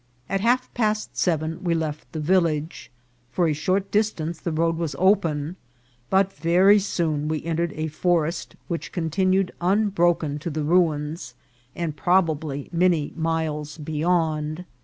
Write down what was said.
At half past seven we left the village. For a short distance the road was open, but very soon we entered a forest, which continued unbroken to the ruins, and prob ably many miles beyond.